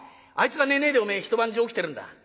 あいつが寝ねえでおめえ一晩中起きてるんだ。